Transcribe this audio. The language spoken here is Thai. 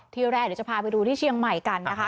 ที่แรกเดี๋ยวจะพาไปดูที่เชียงใหม่กันนะคะ